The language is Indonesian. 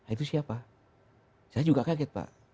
id itu siapa saya juga kaget